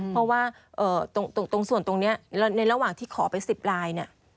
เพราะว่าตรงส่วนตรงนี้ในระหว่างที่ขอไป๑๐ลายเนี่ย